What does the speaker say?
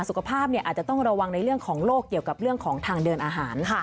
สุขภาพอาจจะต้องระวังในเรื่องของโรคเกี่ยวกับเรื่องของทางเดินอาหาร